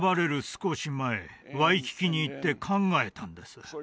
少し前ワイキキに行って考えたんです